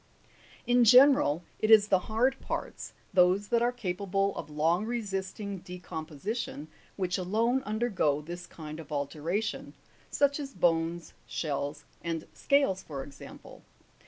2. Tn general, it is the hard parts, those that are capable of long resisting decomposition, which alone undergo this kind of altera tion ; such as bones, shells, and scales, for example.